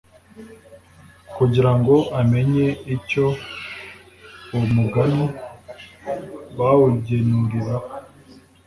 kugira ngo amenye icyo uwo mugani bawugenuriraho,